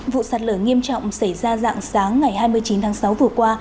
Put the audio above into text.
vụ sạt lở nghiêm trọng xảy ra dạng sáng ngày hai mươi chín tháng sáu vừa qua